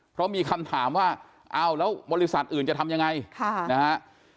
เพราะมีคำถามว่าอ้าวแล้วบริษัทอื่นจะทำยังไงนะฮะ